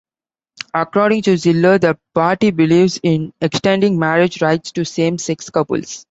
According to Ziller, the party believes in extending marriage rights to same-sex couples.